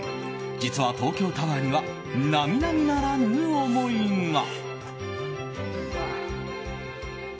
実は、東京タワーには並々ならぬ思いが。